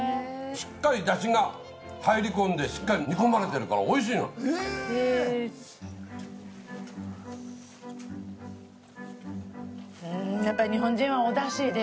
しっかりダシが入り込んでしっかり煮込まれてるからおいしいのへえー